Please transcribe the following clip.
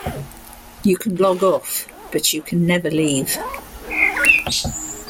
"You can log off, but you can never leave".